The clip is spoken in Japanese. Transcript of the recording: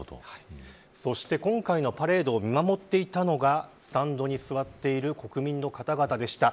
そして、今回のパレードを見守っていたのがスタンドに座っている国民の方々でした。